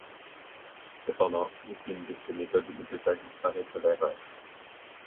Cependant aucune de ces méthodes ne peut faire disparaître l'erreur.